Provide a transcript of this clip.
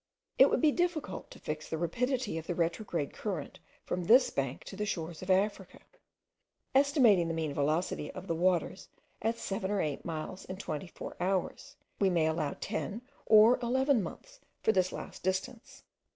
It would be difficult to fix the rapidity of the retrograde current from this bank to the shores of Africa; estimating the mean velocity of the waters at seven or eight miles in twenty four hours, we may allow ten or eleven months for this last distance.